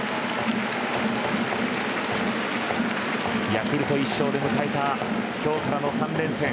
ヤクルト１勝で迎えた今日からの３連戦。